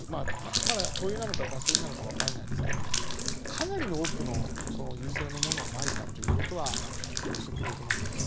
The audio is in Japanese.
まだ灯油なのかガソリンか分かりませんがかなりの多くの油性のものをまいたということが予測できます。